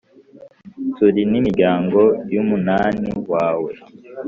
turi n’imiryango y’umunani wawe.